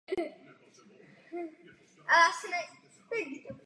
Edward byl synem anglického farmáře.